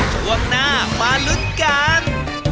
ช่วงหน้ามาลุ้นกัน